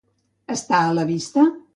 Està a la vista?